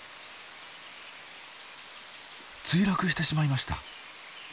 墜落してしまいました。